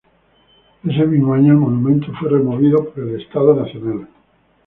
Ese mismo año el monumento fue removido por el Estado Nacional.